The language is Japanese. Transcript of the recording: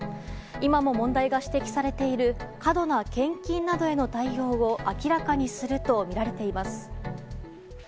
今も問題が指摘されている過度な献金への対応を明らかにするとみられています。